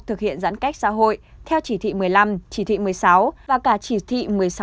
thực hiện giãn cách xã hội theo chỉ thị một mươi năm chỉ thị một mươi sáu và cả chỉ thị một mươi năm một mươi sáu